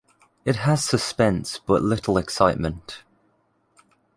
It has suspense but little excitement.